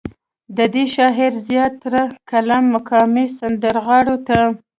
ددې شاعر زيات تره کلام مقامي سندرغاړو ته